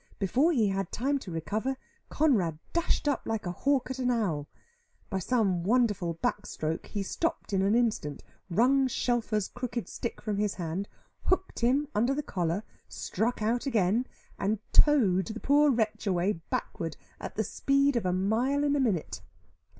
Before he had time to recover, Conrad dashed up like a hawk at an owl; by some wonderful back stroke he stopped in an instant, wrung Shelfer's crooked stick from his hand, hooked him under the collar, struck out again, and towed the poor wretch away backward, at the speed of a mile in a minute.